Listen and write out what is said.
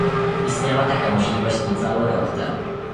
Istniała taka możliwość niecały rok temu